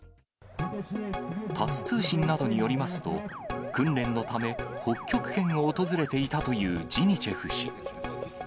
タス通信などによりますと、訓練のため、北極圏を訪れていたというジニチェフ氏。